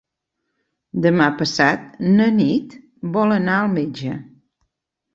Demà passat na Nit vol anar al metge.